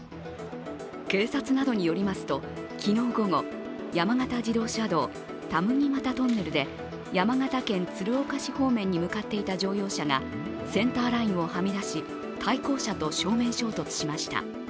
警察などによりますと、昨日午後、山形自動車道田麦俣トンネルで、山形県鶴岡市方面に向かっていた乗用車が、センターラインをはみ出し、対向車と正面衝突しました。